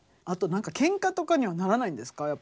あとなんかけんかとかにはならないんですか？